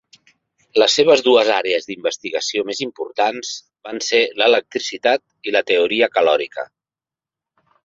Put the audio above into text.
Les seves dues àrees d'investigació més importants van ser l'electricitat i la teoria calòrica.